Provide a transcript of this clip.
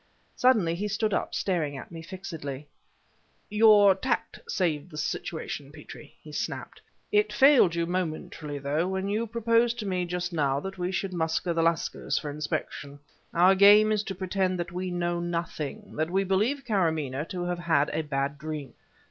Suddenly he stood up, staring at me fixedly. "Your tact has saved the situation, Petrie," he snapped. "It failed you momentarily, though, when you proposed to me just now that we should muster the lascars for inspection. Our game is to pretend that we know nothing that we believe Karamaneh to have had a bad dream."